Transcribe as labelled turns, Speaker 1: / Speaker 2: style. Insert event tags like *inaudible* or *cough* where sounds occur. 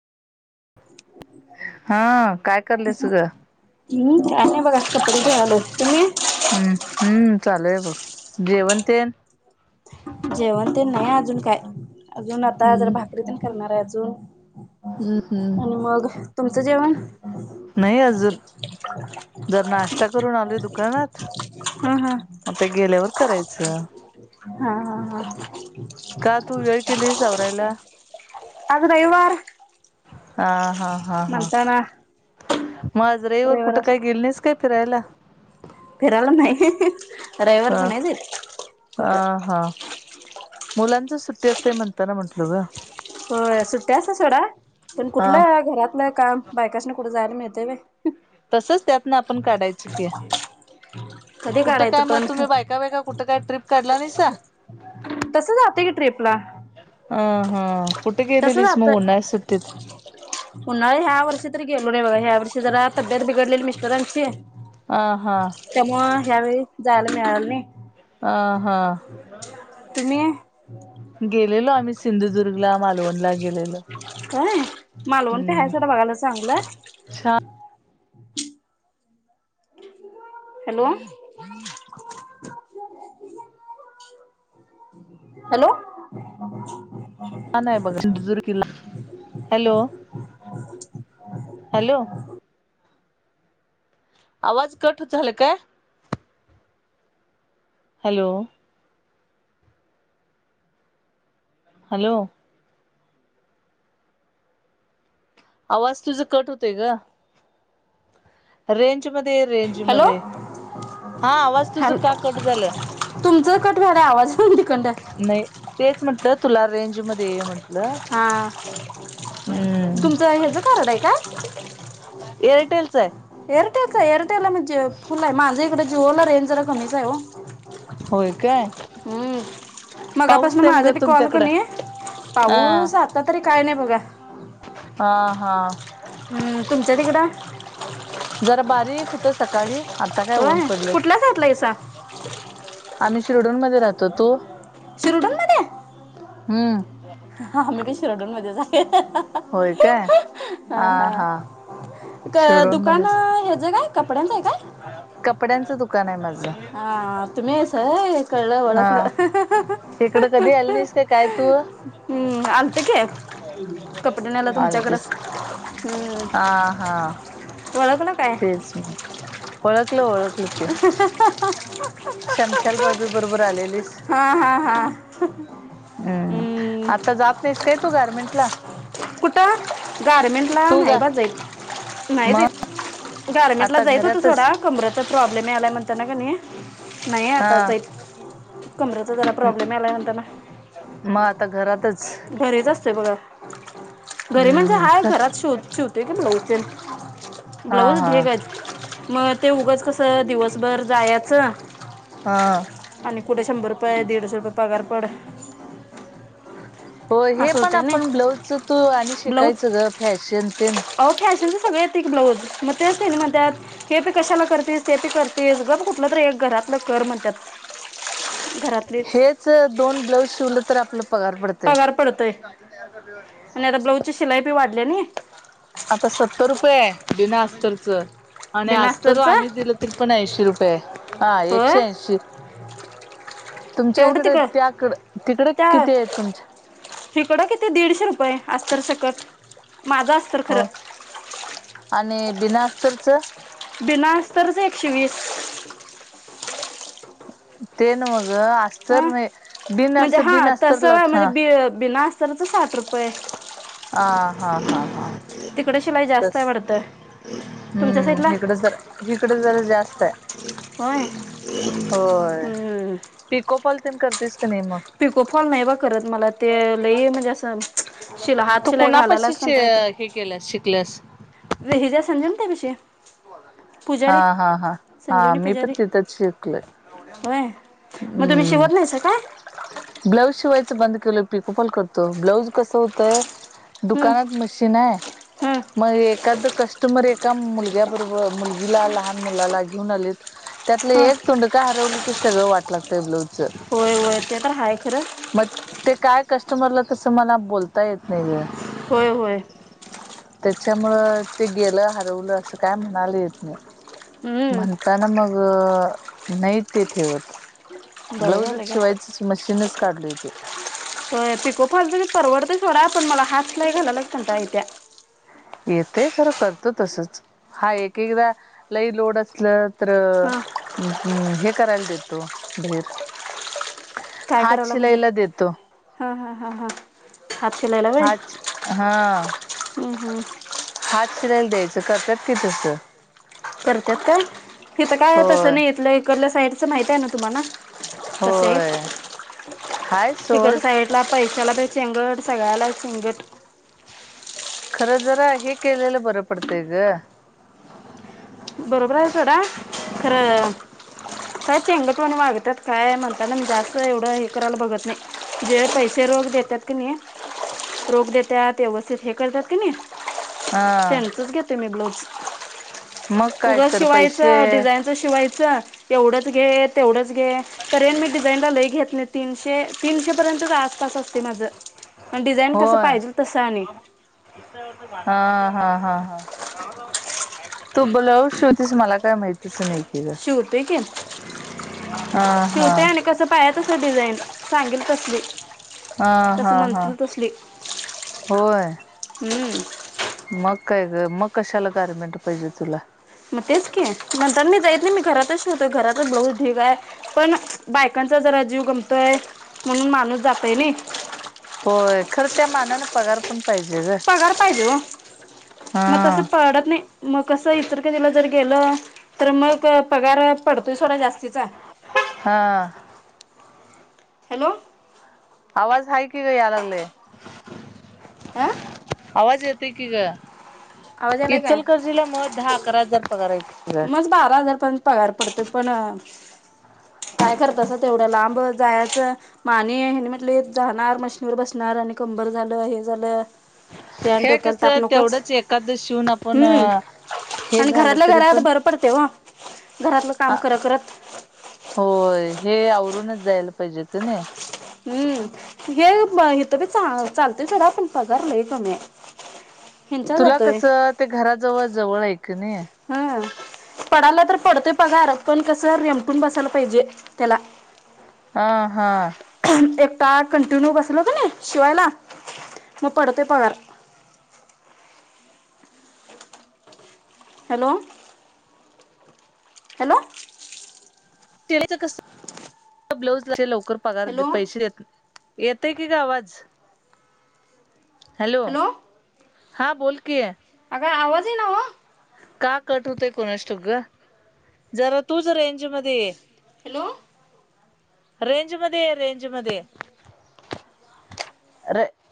Speaker 1: हा काय करलंस गं?
Speaker 2: काय नाही बघा कपडे धुवायलोय. तुम्ही?
Speaker 1: हम्म हम्म चालूय बघ जेवण ते
Speaker 2: जेवण ते नाही अजून काय अजून आता जरा भाकरी पण करणार आहे अजून आणि मग तुमचं जेवण
Speaker 1: नाही अजून जर नाश्ता करून आलोय दुकानात.
Speaker 2: हा हा
Speaker 1: मग ते गेल्यावर करायचं.
Speaker 2: हा हा
Speaker 1: का तू वेळ केलीस आवरायला
Speaker 2: आज रविवार.
Speaker 1: हा हा हा हा
Speaker 2: म्हणताना
Speaker 1: मग आज राईवार
Speaker 2: रविवार
Speaker 1: कुठं काही गेल नाहीस काय फिरायला?
Speaker 2: फिरायला नाही
Speaker 1: ह
Speaker 2: रविवारचा नाही जात
Speaker 1: अ
Speaker 2: कुठ.
Speaker 1: हा मुलांच सुट्टी असते म्हणताना म्हंटल ग!
Speaker 2: हो सुट्ट्याच सोडा पण
Speaker 1: हा
Speaker 2: कुठला घरातलं काम बायकास्नी कुठे जायला मिळतय होय
Speaker 1: तसच त्यातन आपण काढायचं की
Speaker 2: कधी
Speaker 1: कुठं काय
Speaker 2: काढायचं
Speaker 1: मग
Speaker 2: पण
Speaker 1: तुम्ही बायका बायका कुठं काय ट्रिप काढला नाहीसा
Speaker 2: तसं जाते की ट्रीपला.
Speaker 1: ह हा कुठे गेलेलीस मग उन्हाळी
Speaker 2: जातोय
Speaker 1: सुट्टीत?
Speaker 2: उन्हाळी ह्या वर्षी तरी गेलो नाही बघा ह्या वर्षी जरा तब्येत बिघडलेली मिस्टरांची
Speaker 1: आ हा
Speaker 2: त्यामुळ ह्यावेळी जायला मिळालं नाही.
Speaker 1: अ हा
Speaker 2: तुम्ही
Speaker 1: गेलेलो आम्ही सिंधुदुर्ग सिंदूधूर्ग ला मालवणला गेलेलो
Speaker 2: काय मालवण काय हाय सोडा बघायला चांगलं
Speaker 1: छ *unintelligible*
Speaker 2: हॅलो हॅलो
Speaker 1: बघा *unintelligible* सिधुदुर्ला हॅलो हॅलो आवाज कट होत झाला काय? हॅलो हॅलो आवाज तुझं कट होतय ग. रेंज मध्ये ये रेंज
Speaker 2: हॅलो
Speaker 1: मध्ये हा आवाज तुझ
Speaker 2: हॅल
Speaker 1: का कट झालं
Speaker 2: तुमचं कट व्हायला आवाज तिकडनं
Speaker 1: नाही तेच म्हंटलं तुला रेंज मध्ये ये म्हंटलं
Speaker 2: हा
Speaker 1: हम्म
Speaker 2: तुमचं ह्याचं कार्ड आहे का?
Speaker 1: एअरटेल चा आहे
Speaker 2: एअरटेलच एअरटेलला म्हणजे फुल आहे माझं इकडे जीओ ला रेंज जरा कमीच आहे ओ
Speaker 1: होय काय
Speaker 2: हम्म
Speaker 1: पाऊस
Speaker 2: मगापासून
Speaker 1: तेन ग
Speaker 2: माझा बी कॉल
Speaker 1: तुमच्याकडं
Speaker 2: कणी
Speaker 1: हा
Speaker 2: पाऊस आता तरी काय नाही बघा.
Speaker 1: हा हा
Speaker 2: हम् तुमच्या तिकडं?
Speaker 1: जरा बारीक होत सकाळी आता काय ऊन
Speaker 2: होय
Speaker 1: पडलंय.
Speaker 2: कुठल्या साईडला आहेसा
Speaker 1: आम्ही शिरढोन मध्ये राहतो तू?
Speaker 2: शिरढोण मध्ये
Speaker 1: हम्म
Speaker 2: हा आम्ही बी शिरढोन मध्येच राहतो
Speaker 1: होय काय
Speaker 2: हा हा क
Speaker 1: शिरडोन
Speaker 2: दुकान
Speaker 1: मध्येच
Speaker 2: ह्याचं काय कपड्यांचं आहे काय?
Speaker 1: कपड्यांचं दुकान आहे माझं.
Speaker 2: हा तुम्ही आहेसा होय कळलं
Speaker 1: हा
Speaker 2: ओळखलं
Speaker 1: इकडं कधी आली नाहीस का काय तू
Speaker 2: हम आलत कि कपडे न्यायला तुमच्याकडं
Speaker 1: आलतीस हा
Speaker 2: हम
Speaker 1: हा
Speaker 2: ओळखलं काय?
Speaker 1: ओळखलं ओळख शमशाल भाभी बरोबर आलेलीस
Speaker 2: हा हा हा
Speaker 1: हम्म आता जात नाहीस काय तू गारमेंट ला?
Speaker 2: कुठं गारमेंटला
Speaker 1: तू
Speaker 2: नाही
Speaker 1: का
Speaker 2: बा जाईत नाही
Speaker 1: मग
Speaker 2: जाईत. गार्मेंट ला
Speaker 1: आता
Speaker 2: जाईत होतो
Speaker 1: घरातच
Speaker 2: सोडा कमरेचा प्रॉब्लेम यायलाय म्हणता ना कणी नाही आता
Speaker 1: हा
Speaker 2: जाईत कमरेचा जरा प्रॉब्लेम यायलाय म्हणताना
Speaker 1: मग घरातच
Speaker 2: घरीच असतेय बघा. घरी म्हणजे
Speaker 1: हम्म
Speaker 2: हाय
Speaker 1: खर
Speaker 2: घरात शिव शिवते की ब्लाऊज तेश
Speaker 1: हा
Speaker 2: ब्लाऊज
Speaker 1: हा
Speaker 2: ढग आहेत. मग ते उगंच कसं दिवसभर जायचं
Speaker 1: हा
Speaker 2: आणि कुठे शंभर रुपये दीडशे रुपये पगार पड
Speaker 1: होय हे
Speaker 2: असं
Speaker 1: पण
Speaker 2: होतं नाही
Speaker 1: आपण ब्लाऊजच तू आणि शिकायचं ग फॅशन तेन.
Speaker 2: अ फॅशनच सगळे येत एक ब्लाऊज मग ते असेल मग त्यात हे पी कशाला करतेस ते पी करतेस बा कुठलं तरी एक घरातलं कर म्हणतात
Speaker 1: ह
Speaker 2: घरातलीच
Speaker 1: दोन ब्लाऊज शिवलं तर आपला पगार पडत
Speaker 2: पडतय आणि आता ब्लाऊजची शिलाई पी वाढली नाही
Speaker 1: आता सत्तर रुपये बिना असतचं आणि
Speaker 2: बिना
Speaker 1: असज तर
Speaker 2: अस्तरचं
Speaker 1: आम्ही दिलं त पण ऐंशी रुपये हा
Speaker 2: होय
Speaker 1: एकशे ऐंशी तुमच्या
Speaker 2: एवढं
Speaker 1: इकडे
Speaker 2: तिकडं
Speaker 1: त्याकड तिकडे किती आहेत तुमच्या
Speaker 2: हिकडं किती दीडशे रुपये असत सकट माझा
Speaker 1: हो आणि बिना असतंरच
Speaker 2: बिना असतच एकशे वीस
Speaker 1: तेन मग अस
Speaker 2: हा म्हणजे हा तस
Speaker 1: लावत
Speaker 2: म्हणजे
Speaker 1: हा
Speaker 2: बि बिना असतना तर साठ रुपये
Speaker 1: ह हा हा
Speaker 2: तिकडे शिलाई
Speaker 1: हा
Speaker 2: जास्त आहे
Speaker 1: स
Speaker 2: वाटतं तुमच्या
Speaker 1: हम्म
Speaker 2: साईडला
Speaker 1: हेकडं जर इकडं जरा जास्त
Speaker 2: होय
Speaker 1: आहे होय
Speaker 2: हम्म
Speaker 1: पिको पल तेण करतेस का नाही मग
Speaker 2: पिकोफॉल नाही बा करत मला ते लई म्हणजे असं शिला हात
Speaker 1: तू
Speaker 2: शिलाई
Speaker 1: कुणापाशी
Speaker 2: घालायलाच
Speaker 1: शि
Speaker 2: म्हणता येते
Speaker 1: हे केल्यास शिकल्यास
Speaker 2: रही जा संज ना त्या पषे
Speaker 1: हा हा हा हा
Speaker 2: संजीवनी
Speaker 1: मी पण
Speaker 2: पुजारी
Speaker 1: तिथंच शिकलो
Speaker 2: होय मग तुम्ही शिवत नाहीयचं काय
Speaker 1: ब्लाऊज शिवायचं बंद केलं पिकोपाल करतो ब्लाऊज कसं होतंय
Speaker 2: हम्म
Speaker 1: दुकानात मशीन आहे
Speaker 2: हम्म
Speaker 1: मग एखाद कस्टमर एका मुलग्याबरोबर मुलगीला लहान मुलाला घेऊन आले त्यातलं
Speaker 2: हं
Speaker 1: एक तोंडका हरवलं की सगळं वाट लागतंय ब्लाऊजच
Speaker 2: होय तर आहेय खरं
Speaker 1: मग ते काय कस्टमरला तसं मला बोलता येत नाही ग
Speaker 2: होय होय
Speaker 1: त्याच्यामुळं ते गेलं हरवलं असं काय म्हणाले येत नाही
Speaker 2: हम्म
Speaker 1: म्हणताना मग नाही ते ठेवत
Speaker 2: बरं झालं
Speaker 1: ब्लाउजचं
Speaker 2: घ्या
Speaker 1: शिवायचंच मशीनचं काढलं येते
Speaker 2: पिको फाल परवडतेच होोड पण मला हातलाई घालायलाेलता य त्या्या
Speaker 1: येतेय खरं करतो तसंच हां एक एकदा लई लोड असलं तरं
Speaker 2: हां
Speaker 1: हे करायंला देतो बाहीर
Speaker 2: कायं करायंला म्हणजे हां हां हां हां हातलाईला भ
Speaker 1: हात हा
Speaker 2: हम् हम्म
Speaker 1: हात शिलायला द्यायचं करतात कि तसं
Speaker 2: करतात का इिथं काय तसं
Speaker 1: होय
Speaker 2: नाही इथलं इकडल्या साईडचं माहित आहे ना तुम्हाला तस
Speaker 1: होय हाय
Speaker 2: ते
Speaker 1: सोड
Speaker 2: करता आहे पैशाला ते चेंगट सगळ्याला चचेंगट
Speaker 1: खरं जरा हे केलेलं बरं पडतय ग
Speaker 2: बरोबर आहे डा खरं काय चेंगट म्हण वागतात काय म्हणतात ना म जास्त एवढं हे करायला बघत नाही जे पैसे रोग देतात की नाही रोग देतात व्यवस्थित हे करतात की नाही
Speaker 1: हा
Speaker 2: सेंसच घेते मी ब्लाऊज
Speaker 1: मग काय
Speaker 2: ऊगांच
Speaker 1: तर
Speaker 2: शिवांयच
Speaker 1: पैसे
Speaker 2: डिझाईन शिवायच एवढंच घे तेवढंच घे करेन मी डिझाईनला लय घेत नाही तीनशे तीनशेपर्यंतच आसपास असते माझं आणि डिझाईन कसं
Speaker 1: होय
Speaker 2: पाहिजेल तसं आणि.
Speaker 1: हा हा हा हा. तू बोलाव शेवतीिस मला काय माहतीच नाही. की ग
Speaker 2: शिवते की
Speaker 1: हा हा
Speaker 2: शिवते आणि कस. पाया तसं डिझाईन सांगेल कसली.
Speaker 1: हा
Speaker 2: कसं
Speaker 1: हा हा
Speaker 2: म्हणतील तसली
Speaker 1: होय
Speaker 2: हम्म.
Speaker 1: मग काय मग कशाला गारमेंट पाहिजे तुला?
Speaker 2: मग तेच की नंतर मी जायत नाही मी घरातच शेवतो घरातच ब्लॉउज डीग आहे. पण बायकांचा जरा जीव गमतोय म्हणून माणूस जातय नाही.
Speaker 1: होय खरं त्या मानान पगार पण पाहिजे ग.
Speaker 2: पगार पाहिजे हो मग तसं
Speaker 1: हा
Speaker 2: पडत नाही मग कसं इतर का तिला जर गेलं. तर मग पगार पडतोय सोडा जास्तीचा.
Speaker 1: हां
Speaker 2: हॅलो.
Speaker 1: आवाज हा कि ग या लागलय.
Speaker 2: आ.
Speaker 1: आवाज येतय की ग
Speaker 2: आलाय काय
Speaker 1: इचलकरजीला मग दहा अकरा हजार पगार आहे की. ग
Speaker 2: बारा हजार पर्यंत पगार पडतो पण काय करतस तेवढं लांब जायचं. माने हे म्हटले जाणार मशीनीवर बसणार आणि कंबर झालं हे झालं. त्यान
Speaker 1: हे
Speaker 2: डोक्याला ताप
Speaker 1: कसं
Speaker 2: नकोच
Speaker 1: तेवढंच एखादं शिवून आपण
Speaker 2: हम्म
Speaker 1: हे
Speaker 2: आणि
Speaker 1: झालं
Speaker 2: घरातल्या
Speaker 1: तरी
Speaker 2: घरा.
Speaker 1: पण
Speaker 2: पडते व घरातलं काम कर करत.
Speaker 1: होय हे आवरूनच जायला पाहिजे होत नाही.
Speaker 2: हम्म हे इथ बी चालतय सोड आपण पगारलंय कमी आहे. ह्यांचा
Speaker 1: तुला
Speaker 2: जातोय
Speaker 1: कस ते घराजवळ जवळ आहे कणी.
Speaker 2: हा पडायला तर पडतोय पघ अर पण कसं रेमटून बसायला पाहिजे त्याला.
Speaker 1: हा हा.
Speaker 2: एकटा कंटिन्यू बसल होत नाही शिवायला मग पडोतय पगार. हॅलो. हॅलो.
Speaker 1: च कस ब्लाउज लवकर पगार
Speaker 2: हॅलो
Speaker 1: पैसे देत नाही. येतंय की ग आवाज हॅलो. हां बोल कि आहे.
Speaker 2: अग आवाज येई ना ओ.
Speaker 1: का कट होतय कोणासष्टव ग जरा तूच रेंज मध्ये ये.
Speaker 2: हॅलो.
Speaker 1: रेंज मध्ये रेंज मध्ये.